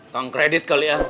tang kredit kali ya